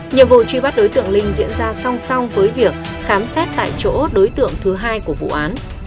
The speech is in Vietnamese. nhiệm vụ truy bắt đối tượng linh diễn ra song song với việc khám xét tại chỗ đối tượng thứ hai của vụ án